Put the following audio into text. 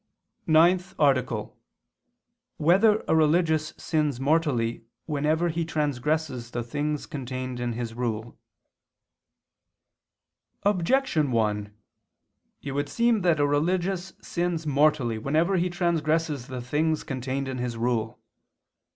_______________________ NINTH ARTICLE [II II, Q. 186, Art. 9] Whether a Religious Sins Mortally Whenever He Transgresses the Things Contained in His Rule? Objection 1: It would seem that a religious sins mortally whenever he transgresses the things contained in his rule.